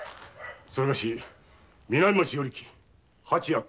それがし南町与力蜂屋熊之助。